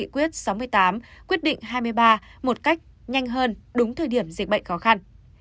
quyết sáu mươi tám quyết định hai mươi ba một cách nhanh hơn đúng thời điểm dịch bệnh khó khăn